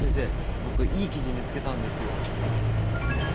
僕いい記事見つけたんですよ。